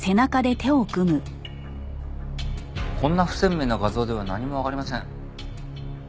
こんな不鮮明な画像では何もわかりません。